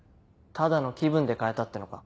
ただの気分で替えたってのか？